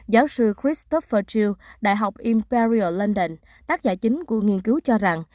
giáo sư christopher jill đại học imperial london tác giả chính của nghiên cứu cho rằng